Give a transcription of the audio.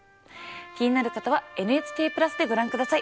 気になる方は「ＮＨＫプラス」でご覧下さい。